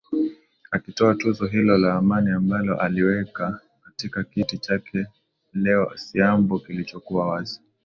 akitoa tuzo hilo la amani ambalo aliweka katika kiti chake leo siambo kilichokuwa wazi